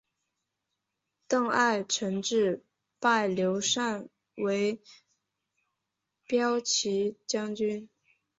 邓艾承制拜刘禅为骠骑将军。